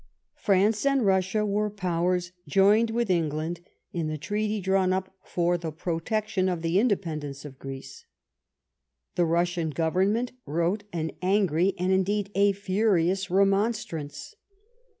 France and Russia were powers joined with England in the treaty drawn up for the protection of the independence of Greece. The Russian Government wrote an angry and, indeed, a furious remonstrance.